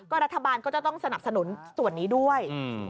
รัฐบาลก็จะต้องสนับสนุนส่วนนี้ด้วย